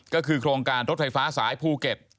ก็คือโครงการรถไฟฟ้าสายภูเก็ต